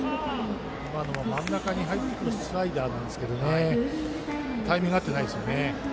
今のも真ん中に入ってくるスライダーですがタイミング合ってないですよね。